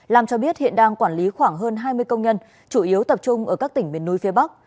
lam cho biết hiện đang quản lý khoảng hơn hai mươi công nhân chủ yếu tập trung ở các tỉnh miền núi phía bắc